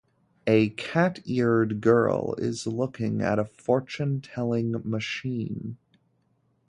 A cat-eared girl is looking at a fortune-telling machine.